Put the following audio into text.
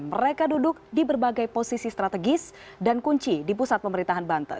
mereka duduk di berbagai posisi strategis dan kunci di pusat pemerintahan banten